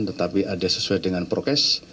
tetapi ada sesuai dengan prokes